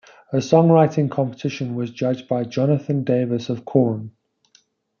A songwriting competition was judged by Jonathan Davis of Korn.